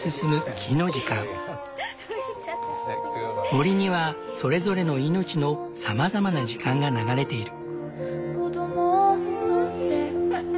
森にはそれぞれの命のさまざまな時間が流れている。